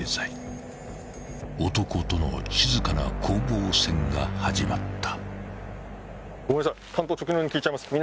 ［男との静かな攻防戦が始まった］